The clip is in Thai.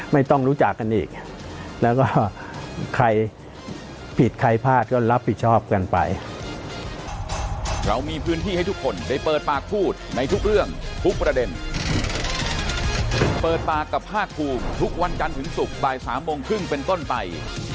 ไม่ต้องรู้จักกันอีกแล้วก็ใครผิดใครพลาดก็รับผิดชอบกันไป